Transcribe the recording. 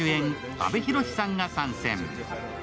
阿部寛さんが参戦。